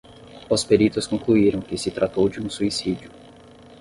Os peritos concluiram que se tratou de um suicídio.